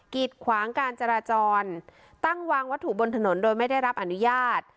กิดขวางการจราจรตั้งวางวัตถุบนถนนโดยไม่ได้รับอนุญาต